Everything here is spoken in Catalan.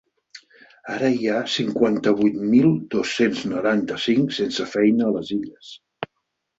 Ara hi ha cinquanta-vuit mil dos-cents noranta-cinc sense feina a les Illes.